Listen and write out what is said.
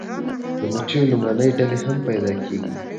د مچیو لومړنۍ ډلې هم پیدا کیږي